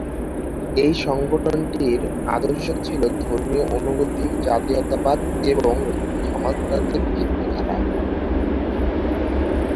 এই সংগঠনটির আদর্শ ছিল ধর্মীয় অনুভূতি, জাতীয়তাবাদ এবং সমাজতান্ত্রিক চিন্তাধারা।